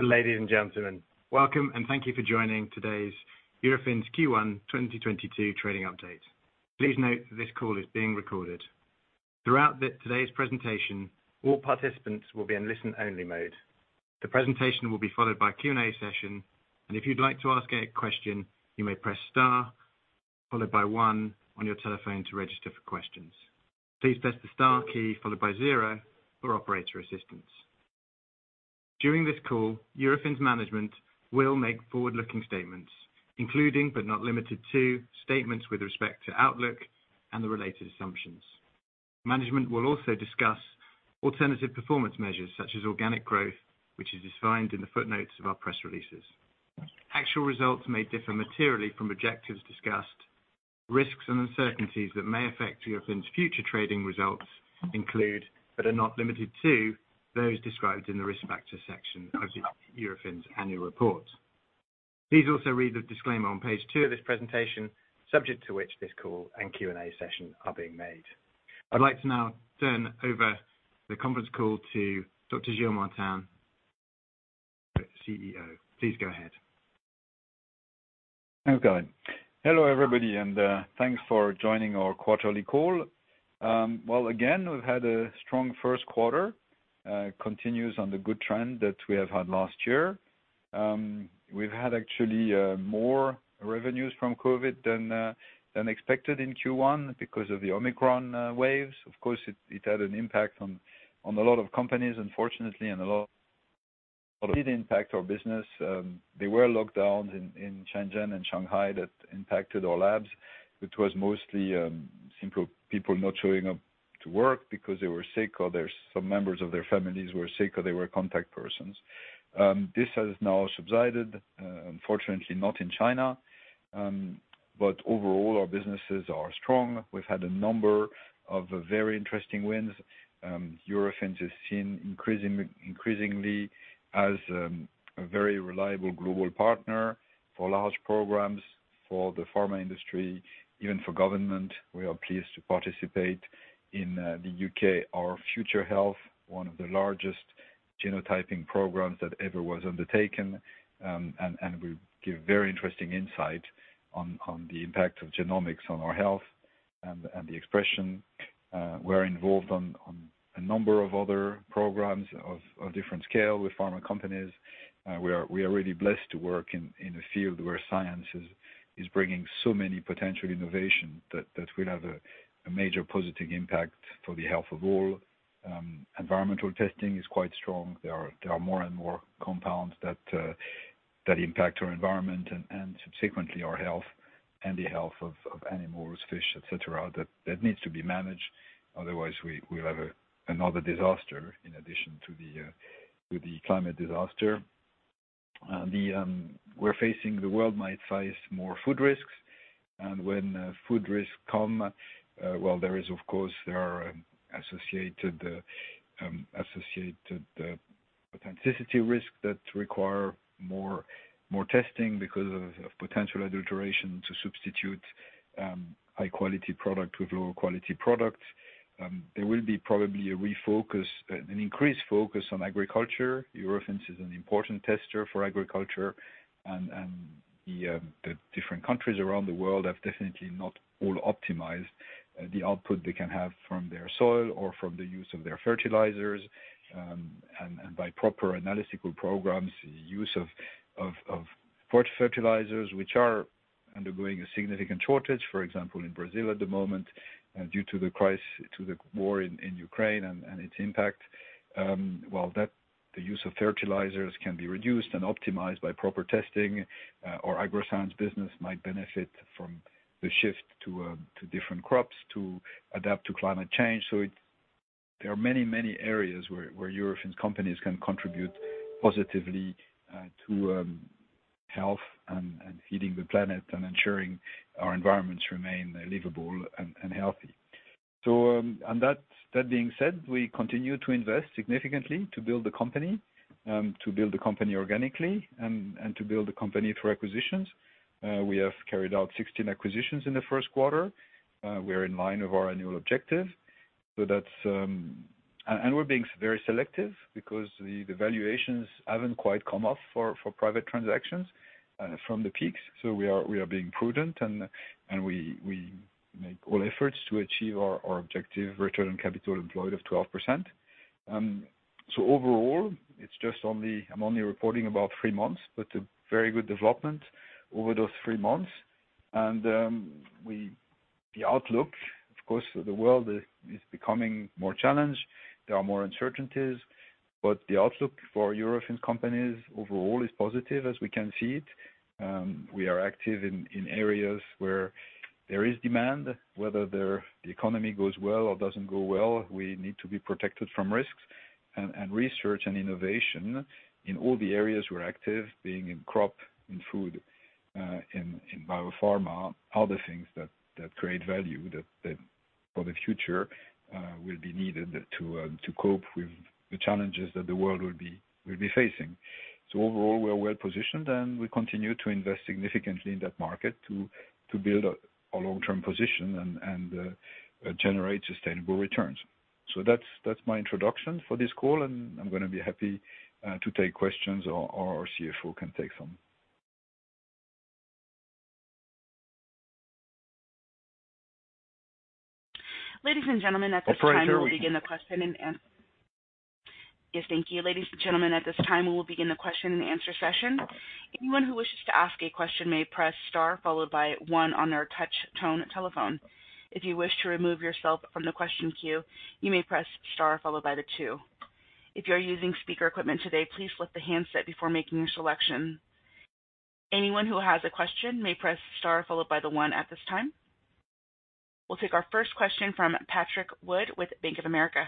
Ladies and gentlemen, welcome and thank you for joining today's Eurofins Q1 2022 trading update. Please note this call is being recorded. Throughout today's presentation, all participants will be in listen-only mode. The presentation will be followed by a Q&A session, and if you'd like to ask a question, you may press star followed by one on your telephone to register for questions. Please press the star key followed by zero for operator assistance. During this call, Eurofins management will make forward-looking statements, including, but not limited to, statements with respect to outlook and the related assumptions. Management will also discuss alternative performance measures such as organic growth, which is defined in the footnotes of our press releases. Actual results may differ materially from objectives discussed. Risks and uncertainties that may affect Eurofins' future trading results include, but are not limited to, those described in the Risk Factors section of Eurofins annual report. Please also read the disclaimer on page two of this presentation, subject to which this call and Q&A session are being made. I'd like to now turn over the conference call to Dr. Gilles Martin, CEO. Please go ahead. Okay. Hello, everybody, and thanks for joining our quarterly call. Well, again, we've had a strong Q1 continues on the good trend that we have had last year. We've had actually more revenues from COVID than expected in Q1 because of the Omicron waves. Of course, it had an impact on a lot of companies, unfortunately, and a lot of it impact our business. They were locked down in Shenzhen and Shanghai. That impacted our labs, which was mostly simple people not showing up to work because they were sick or some members of their families were sick or they were contact persons. This has now subsided, unfortunately not in China. Overall, our businesses are strong. We've had a number of very interesting wins. Eurofins is seen increasingly as a very reliable global partner for large programs for the pharma industry, even for government. We are pleased to participate in the U.K., Our Future Health, one of the largest genotyping programs that ever was undertaken and will give very interesting insight on the impact of genomics on our health and the expression. We're involved in a number of other programs of different scale with pharma companies. We are really blessed to work in a field where science is bringing so many potential innovation that will have a major positive impact for the health of all. Environmental testing is quite strong. There are more and more compounds that impact our environment and subsequently our health and the health of animals, fish, et cetera, that needs to be managed. Otherwise we will have another disaster in addition to the climate disaster. The world we're facing might face more food risks. When food risks come, there are of course associated authenticity risks that require more testing because of potential adulteration to substitute high quality product with lower quality product. There will be probably a refocus, an increased focus on agriculture. Eurofins is an important tester for agriculture, and the different countries around the world have definitely not all optimized the output they can have from their soil or from the use of their fertilizers by proper analytical programs, use of fertilizers, which are undergoing a significant shortage, for example, in Brazil at the moment, due to the war in Ukraine and its impact. The use of fertilizers can be reduced and optimized by proper testing. Our Agroscience business might benefit from the shift to different crops to adapt to climate change. There are many areas where Eurofins companies can contribute positively to health and feeding the planet and ensuring our environments remain livable and healthy. That being said, we continue to invest significantly to build the company, to build the company organically, and to build the company through acquisitions. We have carried out 16 acquisitions in the Q1. We are in line with our annual objective, so that's. And we're being very selective because the valuations haven't quite come off for private transactions from the peaks. We are being prudent, and we make all efforts to achieve our objective return on capital employed of 12%. Overall, it's just only I'm only reporting about three months, but a very good development over those three months. The outlook, of course, the world is becoming more challenged. There are more uncertainties, but the outlook for Eurofins companies overall is positive as we can see it. We are active in areas where there is demand, whether the economy goes well or doesn't go well, we need to be protected from risks. Research and innovation in all the areas we're active, being in crop, in food, in biopharma, are the things that create value that for the future will be needed to cope with the challenges that the world will be facing. Overall, we are well positioned and we continue to invest significantly in that market to build a long-term position and generate sustainable returns. That's my introduction for this call, and I'm going to be happy to take questions or our CFO can take some. Ladies and gentlemen, at this time- Operator, can we- Yes, thank you. Ladies and gentlemen, at this time, we'll begin the question and answer session. Anyone who wishes to ask a question may press star followed by one on their touch-tone telephone. If you wish to remove yourself from the question queue, you may press star followed by the two. If you're using speaker equipment today, please lift the handset before making your selection. Anyone who has a question may press star followed by the one at this time. We'll take our first question from Patrick Wood with Bank of America.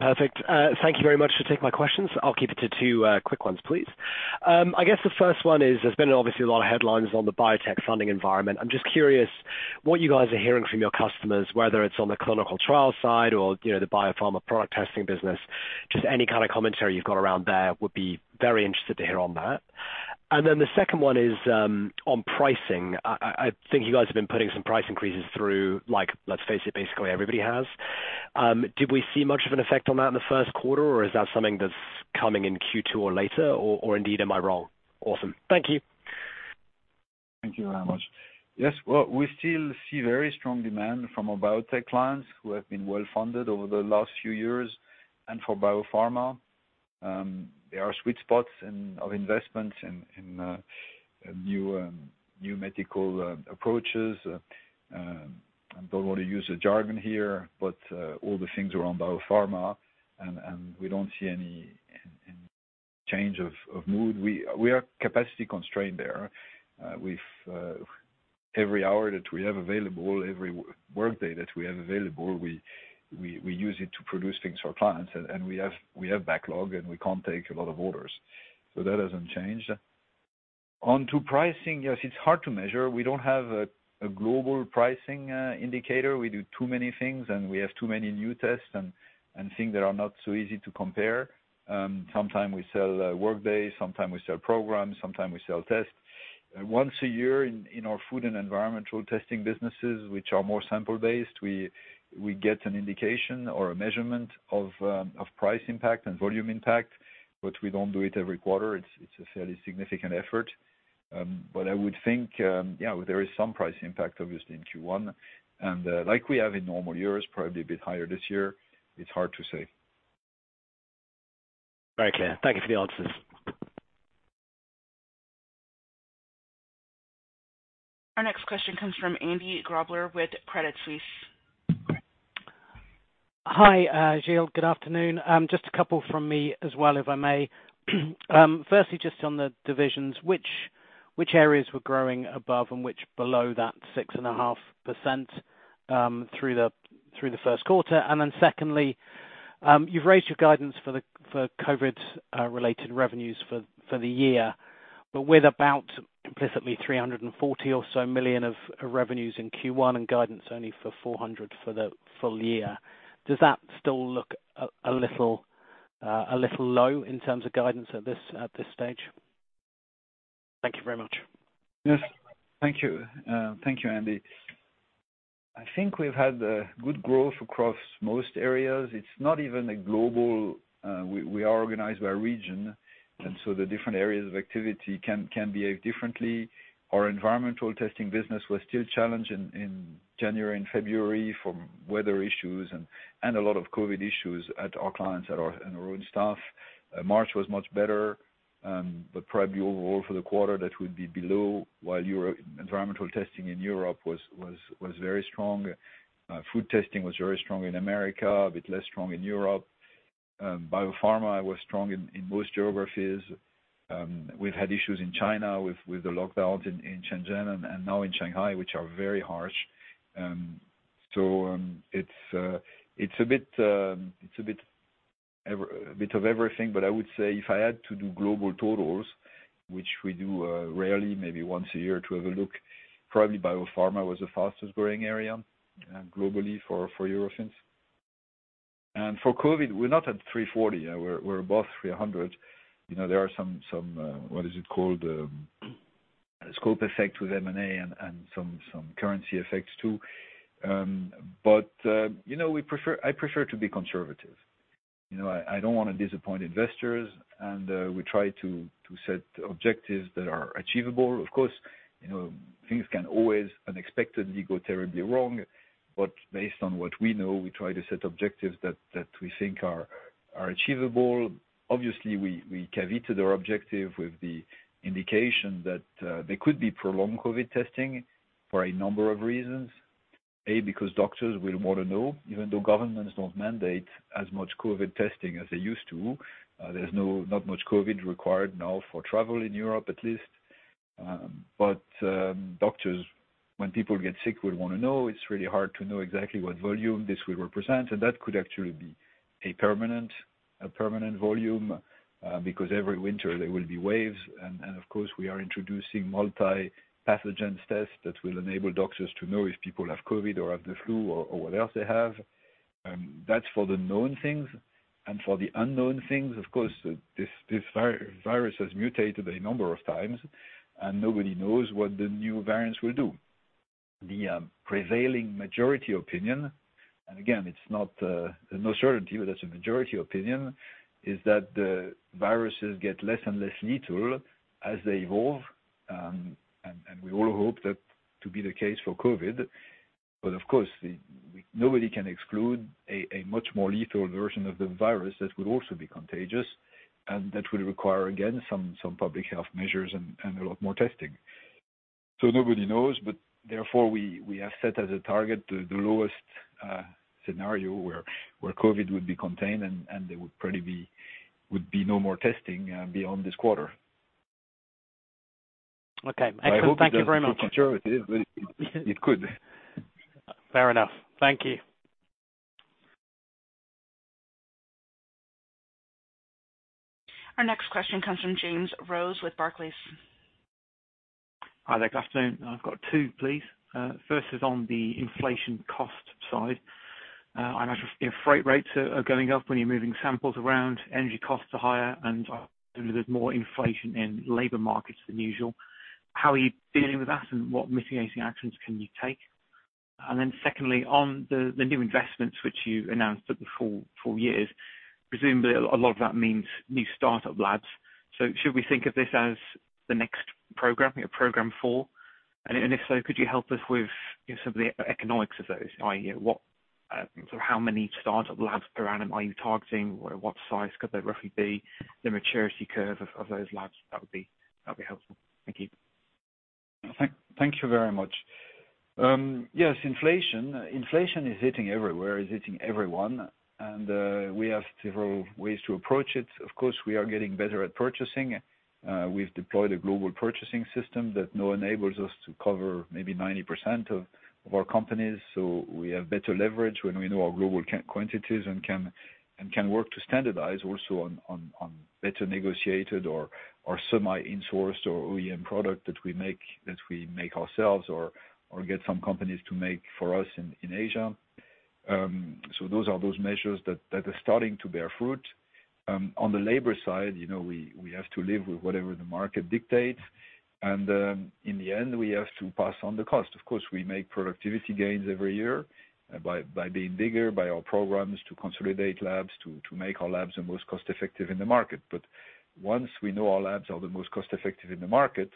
Perfect. Thank you very much for taking my questions. I'll keep it to two quick ones, please. I guess the first one is, there's been obviously a lot of headlines on the biotech funding environment. I'm just curious what you guys are hearing from your customers, whether it's on the clinical trial side or, you know, the biopharma product testing business. Just any kind of commentary you've got around there, I would be very interested to hear on that. The second one is on pricing. I think you guys have been putting some price increases through like, let's face it, basically everybody has. Did we see much of an effect on that in the Q1, or is that something that's coming in Q2 or later? Or indeed am I wrong? Awesome. Thank you. Thank you very much. Yes. Well, we still see very strong demand from our biotech clients who have been well-funded over the last few years. For biopharma, there are sweet spots of investments in new medical approaches. I don't want to use a jargon here, but all the things around biopharma and we don't see any change of mood. We are capacity constrained there, with every hour that we have available, every workday that we have available, we use it to produce things for clients. We have backlog, and we can't take a lot of orders. That hasn't changed. Onto pricing. Yes, it's hard to measure. We don't have a global pricing indicator. We do too many things, and we have too many new tests and things that are not so easy to compare. Sometimes we sell workdays, sometimes we sell programs, sometimes we sell tests. Once a year in our food and environmental testing businesses, which are more sample-based, we get an indication or a measurement of price impact and volume impact, but we don't do it every quarter. It's a fairly significant effort. I would think, yeah, there is some price impact obviously in Q1 and like we have in normal years, probably a bit higher this year. It's hard to say. Very clear. Thank you for the answers. Our next question comes from Andy Grobler with Credit Suisse. Hi, Gilles. Good afternoon. Just a couple from me as well, if I may. Firstly, just on the divisions, which areas were growing above and which below that 6.5% through the Q1? Secondly, you've raised your guidance for the COVID-related revenues for the year, but with about implicitly 340 million or so of revenues in Q1 and guidance only for 400 million for the full year. Does that still look a little low in terms of guidance at this stage? Thank you very much. Yes. Thank you, Andy. I think we've had good growth across most areas. We are organized by region, and so the different areas of activity can behave differently. Our environmental testing business was still challenged in January and February from weather issues and a lot of COVID issues at our clients and our own staff. March was much better, but probably overall for the quarter, that would be below. While environmental testing in Europe was very strong. Food testing was very strong in America, a bit less strong in Europe. Biopharma was strong in most geographies. We've had issues in China with the lockdowns in Shenzhen and now in Shanghai, which are very harsh. It's a bit of everything. I would say if I had to do global totals, which we do rarely, maybe once a year, to have a look, probably biopharma was the fastest growing area globally for Eurofins. For COVID, we're not at 340 million. We're above 300 million. You know, there are some scope effects with M&A and some currency effects too. You know, I prefer to be conservative. You know, I don't want to disappoint investors, and we try to set objectives that are achievable. Of course, you know, things can always unexpectedly go terribly wrong, but based on what we know, we try to set objectives that we think are achievable. Obviously, we caveated our objective with the indication that there could be prolonged COVID testing for a number of reasons. A, because doctors will want to know, even though governments don't mandate as much COVID testing as they used to. There's not much COVID required now for travel in Europe at least. Doctors, when people get sick, would want to know. It's really hard to know exactly what volume this will represent, and that could actually be a permanent volume because every winter there will be waves. Of course we are introducing multi-pathogen tests that will enable doctors to know if people have COVID or have the flu or what else they have. That's for the known things. For the unknown things, of course, this virus has mutated a number of times and nobody knows what the new variants will do. The prevailing majority opinion, and again, it's not no certainty, but that's a majority opinion, is that the viruses get less and less lethal as they evolve. We all hope that to be the case for COVID. Of course, nobody can exclude a much more lethal version of the virus that will also be contagious, and that will require, again, some public health measures and a lot more testing. Nobody knows, but therefore we have set as a target the lowest scenario where COVID would be contained and there would probably be no more testing beyond this quarter. Okay. Excellent. Thank you very much. I hope it doesn't take eternity, but it could. Fair enough. Thank you. Our next question comes from James Rose with Barclays. Hi there. Good afternoon. I've got two, please. First is on the inflation cost side. I imagine if freight rates are going up when you're moving samples around, energy costs are higher, and there's more inflation in labor markets than usual. How are you dealing with that, and what mitigating actions can you take? Secondly, on the new investments which you announced at the full four-year, presumably a lot of that means new start-up labs. Should we think of this as the next program, your program four? And if so, could you help us with some of the economics of those? How many start-up labs per annum are you targeting? What size could they roughly be? The maturity curve of those labs, that would be helpful. Thank you. Thank you very much. Inflation is hitting everywhere and everyone. We have several ways to approach it. Of course, we are getting better at purchasing. We've deployed a global purchasing system that now enables us to cover maybe 90% of our companies. We have better leverage when we know our global quantities and can work to standardize also on better negotiated or semi-insourced or OEM product that we make ourselves or get some companies to make for us in Asia. Those are the measures that are starting to bear fruit. On the labor side, you know, we have to live with whatever the market dictates. In the end, we have to pass on the cost. Of course, we make productivity gains every year by being bigger, by our programs to consolidate labs, to make our labs the most cost-effective in the market. Once we know our labs are the most cost-effective in the market,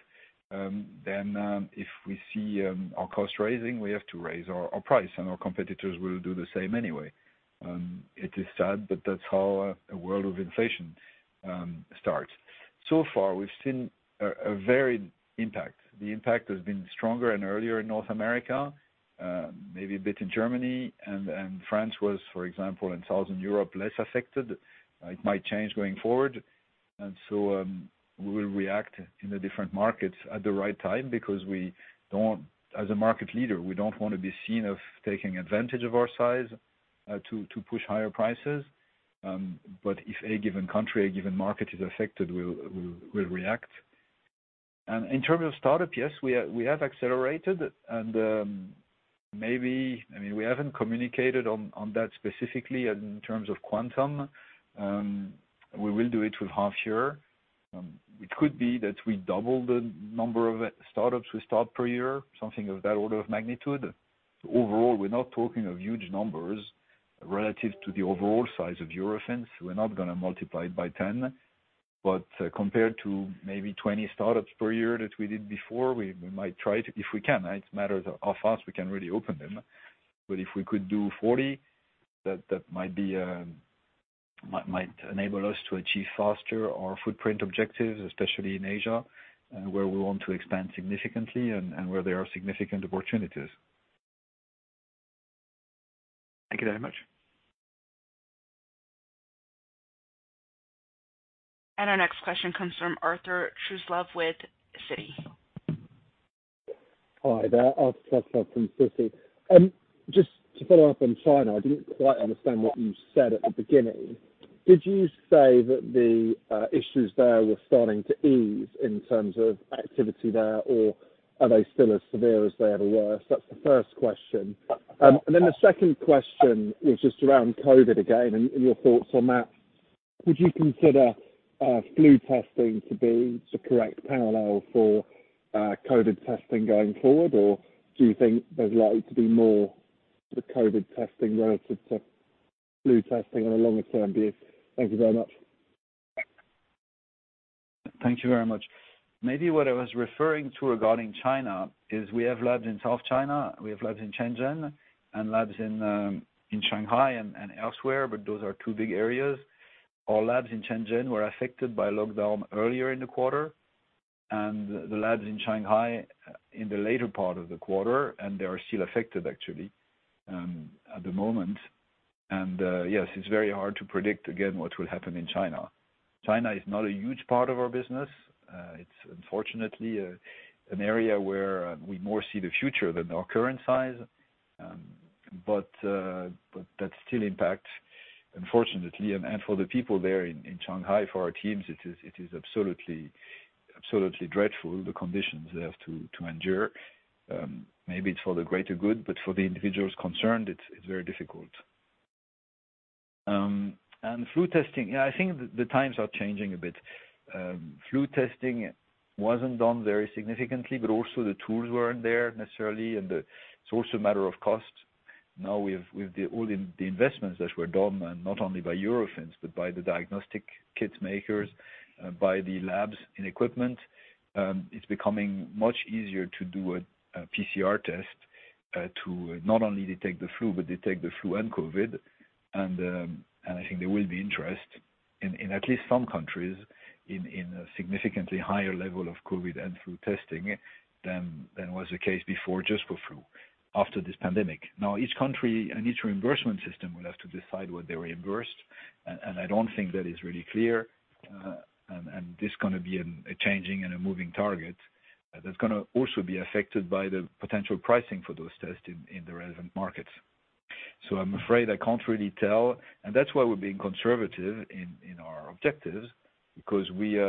then, if we see our costs rising, we have to raise our price, and our competitors will do the same anyway. It is sad, but that's how a world of inflation starts. So far, we've seen a varied impact. The impact has been stronger and earlier in North America, maybe a bit in Germany and France, for example, in Southern Europe, less affected. It might change going forward. We will react in the different markets at the right time because we don't as a market leader want to be seen of taking advantage of our size to push higher prices. If a given country, a given market is affected, we'll react. In terms of startup, yes, we have accelerated. I mean, we haven't communicated on that specifically in terms of quantum. We will do it with half year. It could be that we double the number of startups we start per year, something of that order of magnitude. Overall, we're not talking of huge numbers relative to the overall size of Eurofins. We're not going to multiply it by 10. Compared to maybe 20 startups per year that we did before, we might try to, if we can. It matters how fast we can really open them. If we could do 40, that might enable us to achieve faster our footprint objectives, especially in Asia, where we want to expand significantly and where there are significant opportunities. Thank you very much. Our next question comes from Arthur Truslove with Citi. Hi there. Arthur Truslove from Citi. Just to follow up on China, I didn't quite understand what you said at the beginning. Did you say that the issues there were starting to ease in terms of activity there, or are they still as severe as they ever were? That's the first question. The second question was just around COVID again and your thoughts on that. Would you consider flu testing to be the correct parallel for COVID testing going forward? Or do you think there's likely to be more the COVID testing relative to flu testing on a longer-term view? Thank you very much. Maybe what I was referring to regarding China is we have labs in South China, we have labs in Shenzhen and labs in Shanghai and elsewhere, but those are two big areas. Our labs in Shenzhen were affected by lockdown earlier in the quarter and the labs in Shanghai in the later part of the quarter, and they are still affected actually at the moment. Yes, it's very hard to predict again what will happen in China. China is not a huge part of our business. It's unfortunately an area where we more see the future than our current size. But that still impacts, unfortunately. For the people there in Shanghai, for our teams, it is absolutely dreadful, the conditions they have to endure. Maybe it's for the greater good, but for the individuals concerned, it's very difficult. Flu testing. Yeah, I think the times are changing a bit. Flu testing wasn't done very significantly, but also the tools weren't there necessarily. It's also a matter of cost. Now with the investments that were done, and not only by Eurofins, but by the diagnostic kits makers, by the labs and equipment, it's becoming much easier to do a PCR test, to not only detect the flu, but detect the flu and COVID. I think there will be interest in at least some countries in a significantly higher level of COVID and flu testing than was the case before, just for flu after this pandemic. Now, each country and each reimbursement system will have to decide what they reimbursed. I don't think that is really clear. This is going to be a changing and a moving target that's going to also be affected by the potential pricing for those tests in the relevant markets. I'm afraid I can't really tell, and that's why we're being conservative in our objectives, because we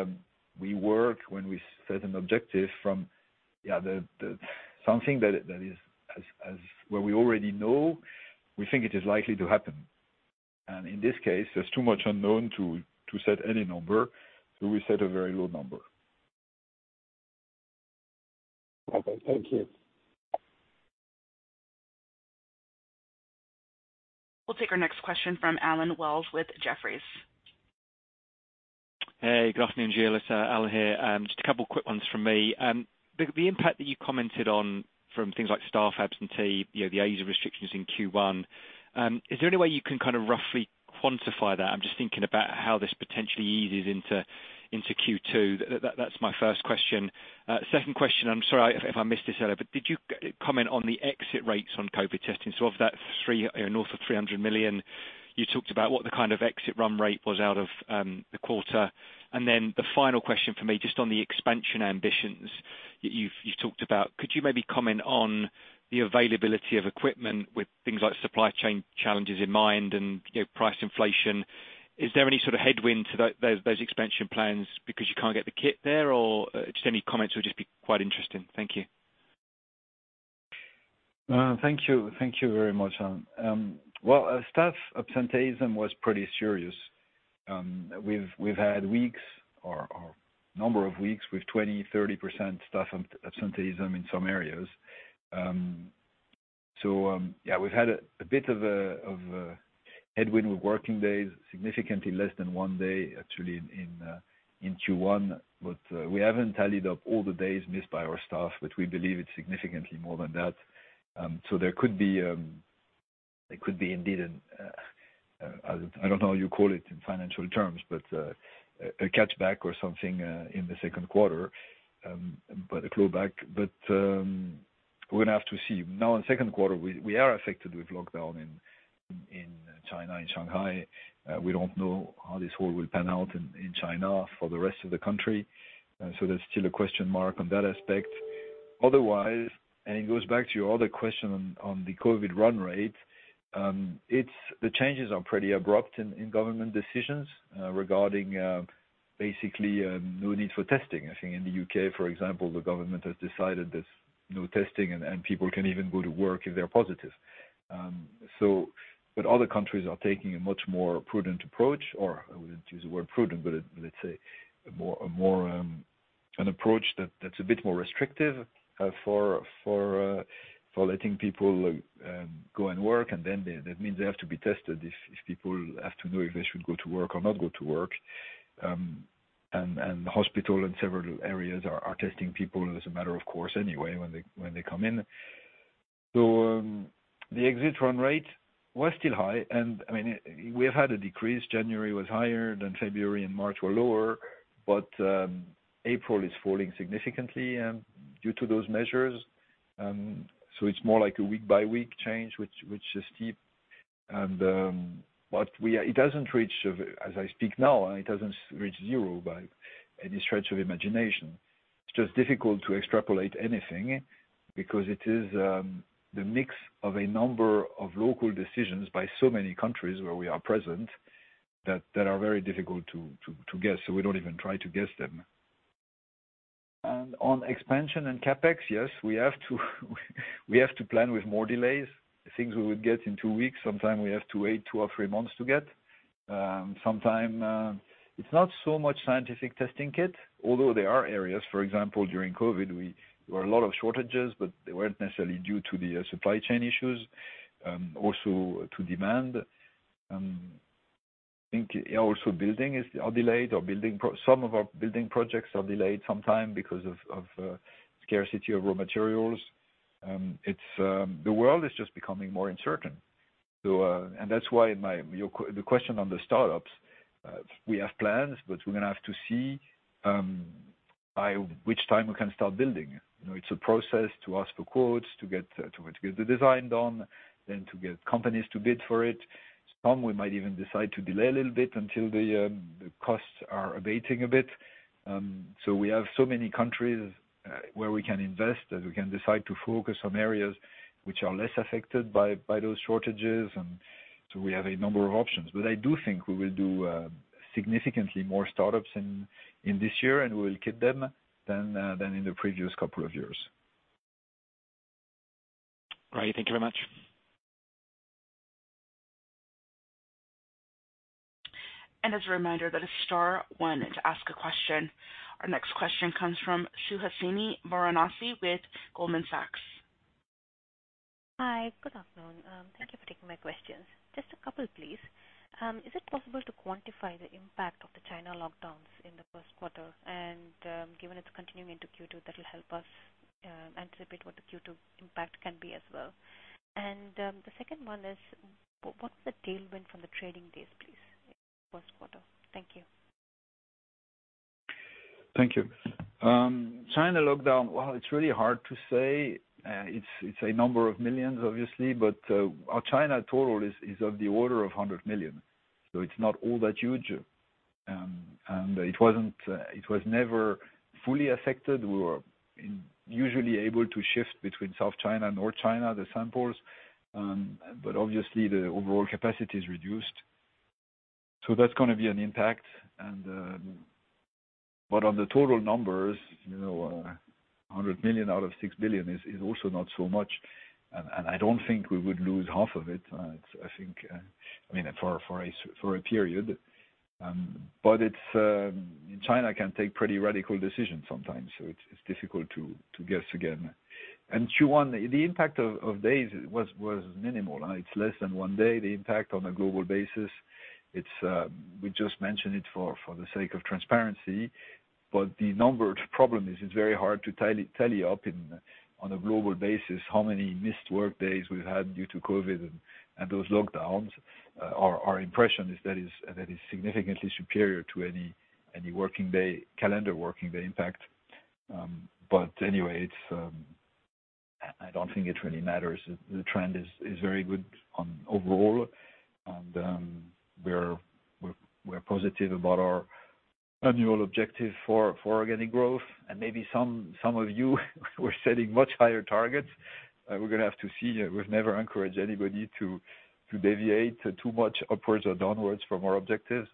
work when we set an objective from something that is where we already know we think it is likely to happen. In this case, there's too much unknown to set any number, so we set a very low number. Okay, thank you. We'll take our next question from Allen Wells with Jefferies. Hey, good afternoon, Gilles. Allen here. Just a couple of quick ones from me. The impact that you commented on from things like staff absenteeism, you know, the easing of restrictions in Q1, is there any way you can kind of roughly quantify that? I'm just thinking about how this potentially eases into Q2. That's my first question. Second question, I'm sorry if I missed this earlier, but did you comment on the exit rates on COVID testing? So of that, you know, north of 300 million, you talked about what the kind of exit run rate was out of the quarter. Then the final question for me, just on the expansion ambitions you've talked about. Could you maybe comment on the availability of equipment with things like supply chain challenges in mind and, you know, price inflation? Is there any sort of headwind to those expansion plans because you can't get the kit there? Or, just any comments would just be quite interesting. Thank you. Thank you. Thank you very much, Allen. Well, staff absenteeism was pretty serious. We've had weeks or number of weeks with 20%, 30% staff absenteeism in some areas. Yeah, we've had a bit of a headwind with working days, significantly less than one day, actually, in Q1. We haven't tallied up all the days missed by our staff, but we believe it's significantly more than that. There could be indeed, and I don't know what you call it in financial terms, but a catch-up or something in the Q2, but a claw-back. We're going to have to see. Now in Q2, we are affected with lockdown in China, in Shanghai. We don't know how this all will pan out in China for the rest of the country. There's still a question mark on that aspect. Otherwise, it goes back to your other question on the COVID run rate. The changes are pretty abrupt in government decisions regarding basically no need for testing. I think in the U.K., for example, the government has decided there's no testing and people can even go to work if they're positive. Other countries are taking a much more prudent approach, or I wouldn't use the word prudent. Let's say more an approach that's a bit more restrictive for letting people go and work. Then that means they have to be tested if people have to know if they should go to work or not go to work. Hospitals and several areas are testing people as a matter of course, anyway, when they come in. The exit run rate was still high, and I mean, we have had a decrease. January was higher, then February and March were lower, but April is falling significantly due to those measures. It's more like a week-by-week change, which is steep. It doesn't reach zero, as I speak now, by any stretch of the imagination. It's just difficult to extrapolate anything because it is the mix of a number of local decisions by so many countries where we are present that are very difficult to guess. We don't even try to guess them. On expansion and CapEx, yes, we have to plan with more delays. Things we would get in two weeks, sometimes we have to wait two or three months to get. It's not so much scientific testing kit, although there are areas, for example, during COVID, there were a lot of shortages, but they weren't necessarily due to the supply chain issues, also to demand. I think also buildings are delayed or some of our building projects are delayed sometimes because of scarcity of raw materials. The world is just becoming more uncertain. That's why your question on the startups, we have plans, but we're going to have to see by which time we can start building. You know, it's a process to ask for quotes, to get the design done, then to get companies to bid for it. Some we might even decide to delay a little bit until the costs are abating a bit. We have so many countries where we can invest, and we can decide to focus on areas which are less affected by those shortages. We have a number of options. I do think we will do significantly more startups in this year than in the previous couple of years. Right. Thank you very much. As a reminder, that is star one to ask a question. Our next question comes from Suhasini Varanasi with Goldman Sachs. Hi. Good afternoon. Thank you for taking my questions. Just a couple, please. Is it possible to quantify the impact of the China lockdowns in the Q1? Given it's continuing into Q2, that will help us anticipate what the Q2 impact can be as well. The second one is, what's the tailwind from the trading days, please, Q1? Thank you. Thank you. China lockdown. Well, it's really hard to say. It's a number of millions, obviously, but our China total is of the order of 100 million, so it's not all that huge. It was never fully affected. We were usually able to shift between South China and North China, the samples, but obviously the overall capacity is reduced. That's going to be an impact. On the total numbers, you know, 100 million out of 6 billion is also not so much. I don't think we would lose half of it. I think, I mean, for a period. China can take pretty radical decisions sometimes, so it's difficult to guess again. Q1, the impact of days was minimal, and it's less than one day. The impact on a global basis. We just mentioned it for the sake of transparency. The numbers problem is it's very hard to tally up on a global basis how many missed workdays we've had due to COVID and those lockdowns. Our impression is that it is significantly superior to any calendar working day impact. Anyway, I don't think it really matters. The trend is very good overall and we're positive about our annual objective for organic growth. Maybe some of you were setting much higher targets. We're going to have to see. We've never encouraged anybody to deviate too much upwards or downwards from our objectives,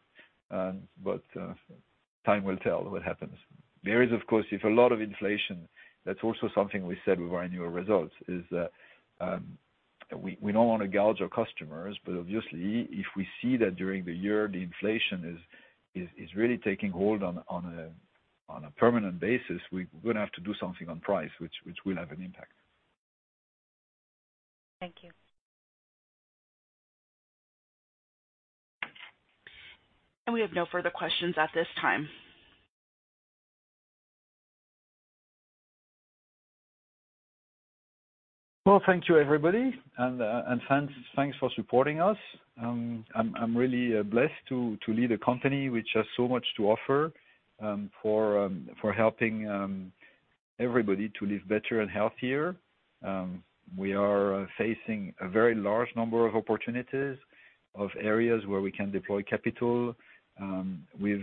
but time will tell what happens. There is of course if a lot of inflation, that's also something we said with our annual results, is that we don't want to gouge our customers. Obviously if we see that during the year the inflation is really taking hold on a permanent basis, we're going to have to do something on price which will have an impact. Thank you. We have no further questions at this time. Well, thank you everybody and thanks for supporting us. I'm really blessed to lead a company which has so much to offer for helping everybody to live better and healthier. We are facing a very large number of opportunities of areas where we can deploy capital with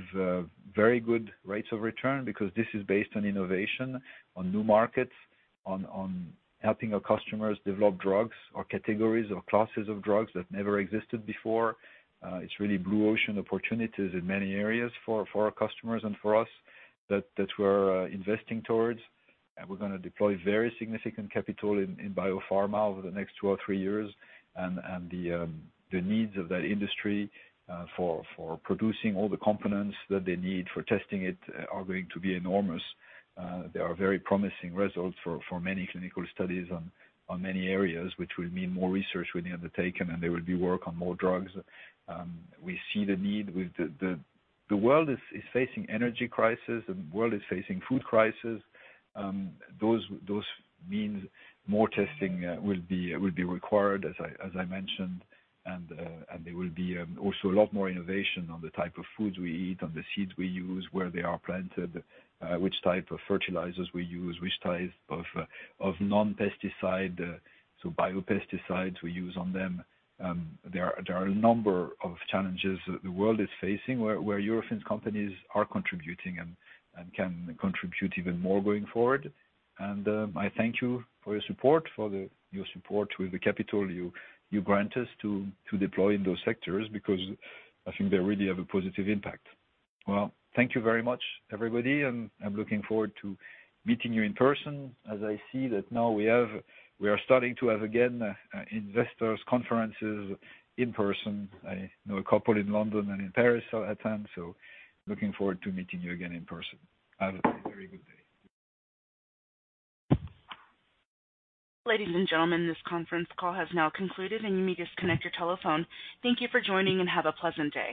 very good rates of return because this is based on innovation, on new markets, on helping our customers develop drugs or categories or classes of drugs that never existed before. It's really blue ocean opportunities in many areas for our customers and for us that we're investing towards. We're going to deploy very significant capital in biopharma over the next two or three years. The needs of that industry for producing all the components that they need for testing it are going to be enormous. There are very promising results for many clinical studies on many areas, which will mean more research will be undertaken, and there will be work on more drugs. We see the need with the world facing energy crisis, the world facing food crisis. Those means more testing will be required, as I mentioned. There will be also a lot more innovation on the type of foods we eat, on the seeds we use, where they are planted, which type of fertilizers we use, which type of non-pesticide so biopesticides we use on them. There are a number of challenges the world is facing where Eurofins companies are contributing and can contribute even more going forward. I thank you for your support with the capital you grant us to deploy in those sectors because I think they really have a positive impact. Well, thank you very much, everybody, and I'm looking forward to meeting you in person as I see that now we are starting to have again investor conferences in person. I know a couple in London and in Paris are at hand, so looking forward to meeting you again in person. Have a very good day. Ladies and gentlemen, this conference call has now concluded, and you may disconnect your telephone. Thank you for joining, and have a pleasant day.